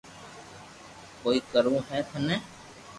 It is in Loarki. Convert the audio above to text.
ڪوئي ڪروہ ھي ٿني